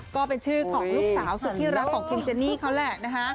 ก็เป็นชื่อของลูกสาวสุดที่รักของคุณเจนี่เขาแหละนะคะ